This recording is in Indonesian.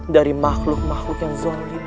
dari makhluk makhluk yang zonid